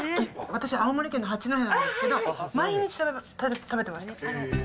私、青森県の八戸なんですけど、毎日食べてました。